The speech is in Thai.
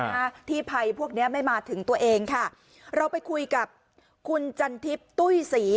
ถ้าที่ใภพวกเนี้ยไม่มาถึงตัวเองค่ะเราไปคุยกับคุณจันทิศตุ้ยสี